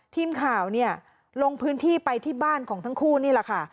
ทีมข่าวเนี่ยลงพื้นที่ไปที่บ้านของทั้งคู่นี่แหละค่ะ